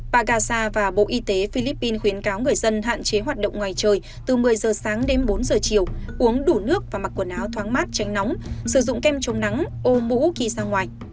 pagasa và bộ y tế philippines khuyến cáo người dân hạn chế hoạt động ngoài trời từ một mươi giờ sáng đến bốn giờ chiều uống đủ nước và mặc quần áo thoáng mát tránh nóng sử dụng kem chống nắng ô mũ khi ra ngoài